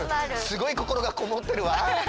すごいこころがこもってるわ。